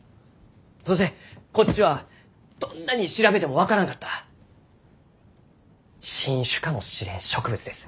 そしてこっちはどんなに調べても分からんかった新種かもしれん植物です。